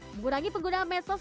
mengurangi penggunaan medsos